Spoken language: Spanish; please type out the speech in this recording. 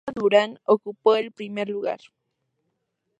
Mariah Duran ocupó el primer lugar.